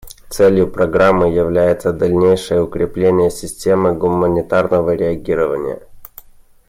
Целью программы является дальнейшее укрепление системы гуманитарного реагирования.